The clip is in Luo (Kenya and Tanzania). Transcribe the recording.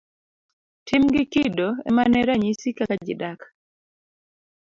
Tim gi kido emane ranyisi kaka ji dak.